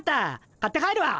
買って帰るわ。